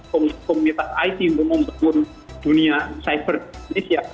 komunitas it yang membangun dunia cyber indonesia